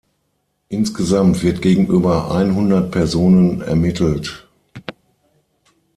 Insgesamt wird gegenüber einhundert Personen ermittelt.